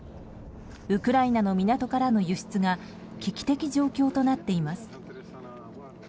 ウクライナの港からの輸出が危機的状況となっています。